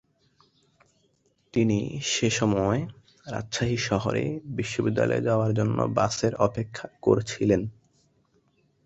তিনি সেসময় রাজশাহী শহরে বিশ্ববিদ্যালয়ে যাওয়ার জন্য বাসের অপেক্ষা করছিলেন।